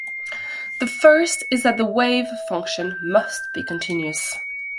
The first is that the wave function must be continuous.